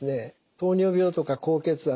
糖尿病とか高血圧